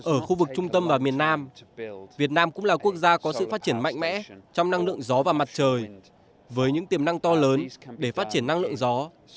ở khu vực trung tâm và miền nam việt nam cũng là quốc gia có sự phát triển mạnh mẽ trong năng lượng gió và mặt trời với những tiềm năng to lớn để phát triển năng lượng gió